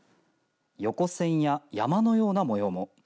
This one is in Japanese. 横線や山のような模様も。